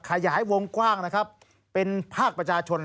ขยายวงกว้างเป็นภาคประชาชน